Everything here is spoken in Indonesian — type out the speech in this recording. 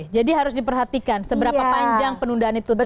harus diperhatikan seberapa panjang penundaan itu terjadi